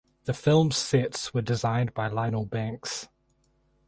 The films sets were designed by Lionel Banks.